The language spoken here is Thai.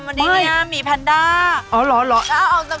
ไม่สัมผัสกับเราดีกว่า